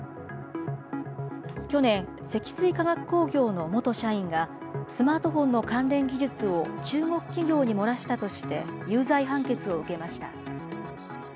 去年、積水化学工業の元社員が、スマートフォンの関連技術を中国企業に漏らしたとして有罪判決を受けました。